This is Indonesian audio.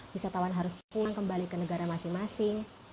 wisatawan harus pulang kembali ke negara masing masing